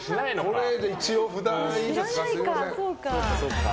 これ一応、札いいですか？